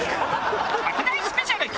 スペシャル